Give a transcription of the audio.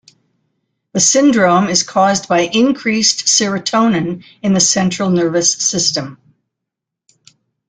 The syndrome is caused by increased serotonin in the central nervous system.